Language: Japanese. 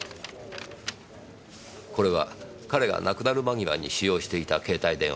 これは彼が亡くなる間際に使用していた携帯電話です。